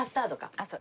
ああそう。